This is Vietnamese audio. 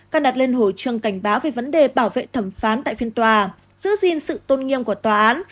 cài đặt lên hổ trường cảnh báo về vấn đề bảo vệ thẩm phán tại phiên tòa giữ gìn sự tôn nghiêm của tòa án